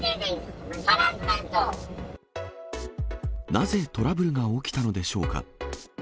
なぜトラブルが起きたのでしょうか。